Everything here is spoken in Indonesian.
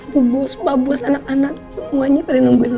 bu bos mbak bos anak anak semuanya pada nungguin lo